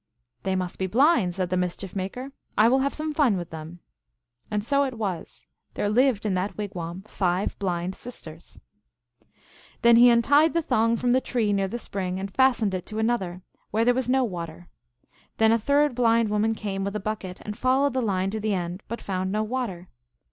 " They must be blind," said the Mischief Maker. " I will have some fun with them." And so it was. There lived in that wigwam five blind sisters. Then he untied the thong from the tree near the spring and fastened it to another, where there was no water. Then a third blind woman came with a bucket, and followed the line to the end, but found no water.